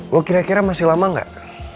lo kira kira masih lama gak